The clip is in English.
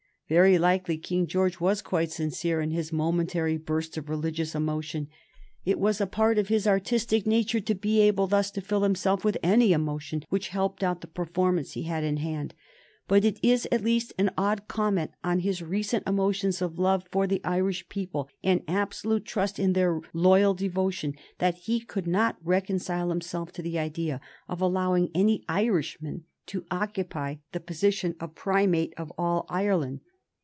Very likely King George was quite sincere in this momentary burst of religious emotion. It was a part of his artistic nature to be able thus to fill himself with any emotion which helped out the performance he had in hand; but it is at least an odd comment on his recent emotions of love for the Irish people and absolute trust in their loyal devotion, that he could not reconcile himself to the idea of allowing any Irishman to occupy the position of Primate of All Ireland.